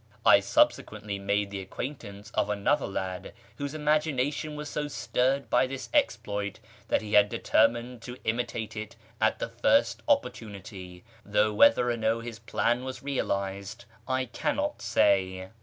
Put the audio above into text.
I subse quently made the acquaintance of another lad whose imagina tion was so stirred by this exploit that he was determined to imitate it at the first opportunity, though wdiether or no his plan was realised I cannot say.